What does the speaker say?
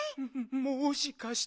もしかして。